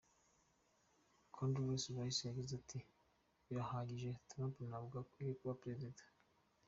Condoleezza Rice yagize ati “Birahagije! Trump ntabwo akwiye kuba Perezida.